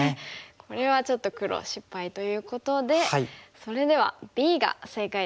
これはちょっと黒失敗ということでそれではＢが正解だったんですね。